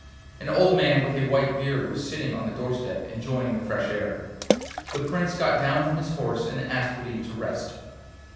An old man with a white beard was sitting on the doorstep enjoying the fresh air. The Prince got down from his horse and asked leave to rest.